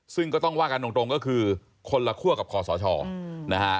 ซึ่งก็ต้องว่ากันตรงก็คือคนละคั่วกับคอสชนะฮะ